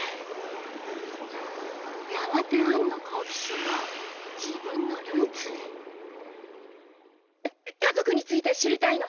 やがてアンの好奇心は自分のルーツへ家族について知りたいの。